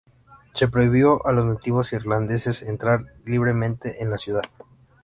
Se prohibió a los nativos irlandeses entrar libremente en la ciudad.